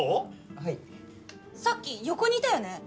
はいさっき横にいたよね？